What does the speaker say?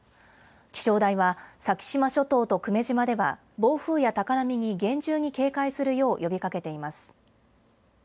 気象台は、先島諸島と久米島では暴風や高波に厳重に警戒するよう呼びかけています。